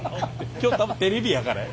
今日多分テレビやからや。